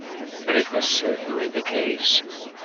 But it was certainly the case.